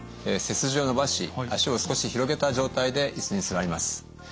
背筋を伸ばし足を少し広げた状態でいすに座ります。